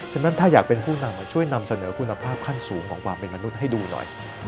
ฉะนั้นถ้าอยากเป็นผู้นำช่วยนำเสนอคุณภาพขั้นสูงของความเป็นมนุษย์ให้ดูหน่อย